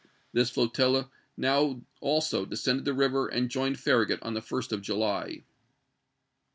This flotilla now also descended the river and joined Farragut on the 1st of July.